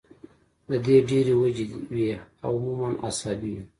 د دې ډېرې وجې وي او عموماً اعصابي وي